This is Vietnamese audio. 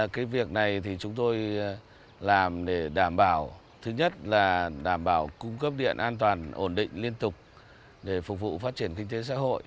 cái việc này thì chúng tôi làm để đảm bảo thứ nhất là đảm bảo cung cấp điện an toàn ổn định liên tục để phục vụ phát triển kinh tế xã hội